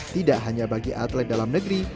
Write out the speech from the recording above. tidak hanya bagi atlet dalam negeri